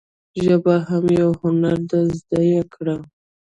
ژبه هم یو هنر دي زده یی کړه.